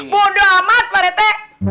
bodo amat pak rete